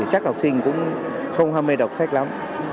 chắc học sinh cũng không ham mê đọc sách lắm